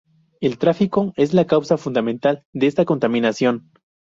el tráfico es la causa fundamental de esta contaminación.